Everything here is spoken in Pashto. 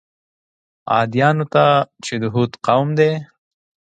عادیانو ته چې د هود قوم دی.